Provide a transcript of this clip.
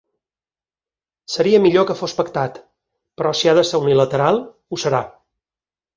Seria millor que fos pactat però si ha de ser unilateral ho serà.